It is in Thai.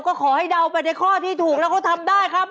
ก็ขอให้เดาไปในข้อที่ถูกแล้วเขาทำได้ครับ